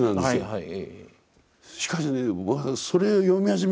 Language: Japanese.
はい。